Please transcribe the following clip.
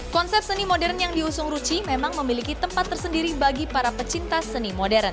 konsep seni modern yang diusung ruchi memang memiliki tempat tersendiri bagi para pecinta seni modern